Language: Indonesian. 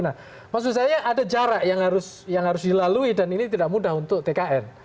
nah maksud saya ada jarak yang harus dilalui dan ini tidak mudah untuk tkn